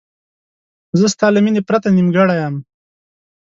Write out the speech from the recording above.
زه ستا له مینې پرته نیمګړی یم.